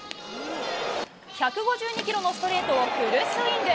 １５２キロのストレートをフルスイング。